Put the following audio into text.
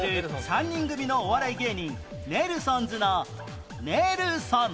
３人組のお笑い芸人ネルソンズの「ネルソン」